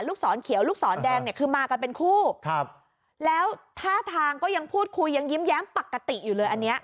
ศรเขียวลูกศรแดงเนี่ยคือมากันเป็นคู่ครับแล้วท่าทางก็ยังพูดคุยยังยิ้มแย้มปกติอยู่เลยอันเนี้ย